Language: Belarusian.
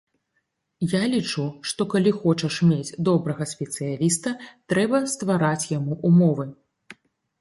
Я лічу, што калі хочаш мець добрага спецыяліста, трэба стварыць яму ўмовы.